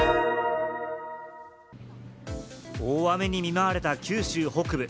大雨に見舞われた九州北部。